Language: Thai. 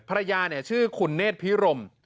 ภรรยาชื่อคุณเนธพิรม